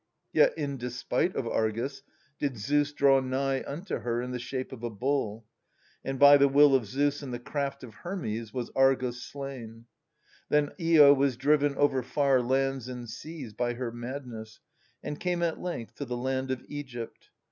' Yet, in despite of Argus, did Zeus draw nigh unto her in the shape of a bull. And by the will of Zeus and the craft of Hermes was Argus slain. Then lo was driven over far lands and seas by her madness, and came at length to the land of Egypt.